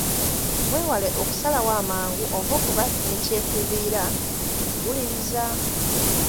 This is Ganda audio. Weewale okusalawo amangu oba okuba ne kyekubiira mu kuwuliriza.